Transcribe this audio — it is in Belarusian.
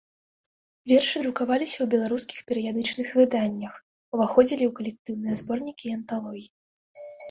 Вершы друкаваліся ў беларускіх перыядычных выданнях, уваходзілі ў калектыўныя зборнікі і анталогіі.